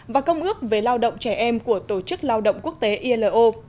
và công ước về lao động trẻ em của tổ chức lao động quốc tế ilo